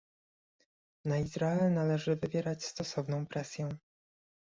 Na Izrael należy wywierać stosowną presję